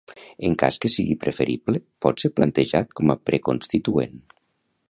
En cas que sigui preferible pot ser plantejat com a pre-constituent.